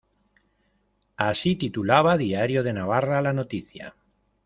Así titulaba Diario de Navarra la noticia.